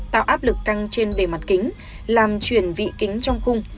tạo áp lực căng trên bề mặt kính làm chuyển vị kính trong khung